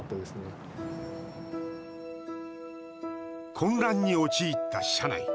混乱に陥った車内。